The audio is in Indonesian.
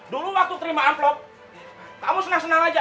dulu waktu terima amplop kamu senang senang aja